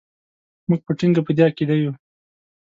موږ په ټینګه په دې عقیده یو.